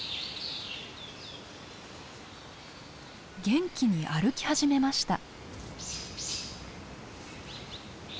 元気に歩き始めました。